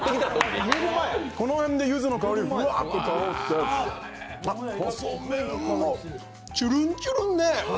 この辺でゆずの香りふわっと香って細麺もちゅるんちゅるんね。